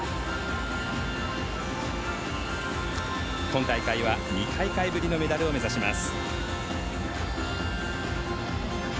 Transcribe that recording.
今大会は２大会ぶりのメダルを目指します。